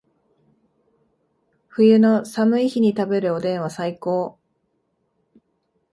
冬の寒い日に食べるおでんは最高